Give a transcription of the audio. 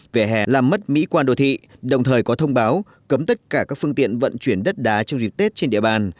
vỉa hè làm mất mỹ quan đô thị đồng thời có thông báo cấm tất cả các phương tiện vận chuyển đất đá trong dịp tết trên địa bàn